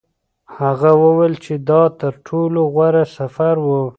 هغه وویل چې دا تر ټولو غوره سفر و.